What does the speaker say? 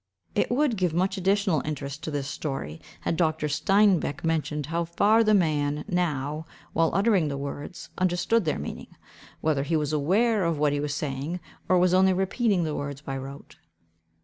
It would give much additional interest to this story had Dr. Steinbech mentioned how far the man now, while uttering the words, understood their meaning; whether he was aware of what he was saying, or was only repeating the words by rote.